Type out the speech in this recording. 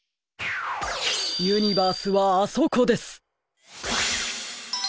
ユニバースはあそこです！